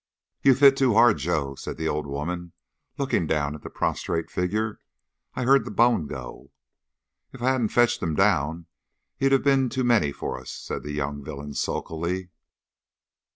"You've hit too hard, Joe," said the old woman, looking down at the prostrate figure. "I heard the bone go." "If I hadn't fetched him down he'd ha' been too many for us," said the young villain sulkily.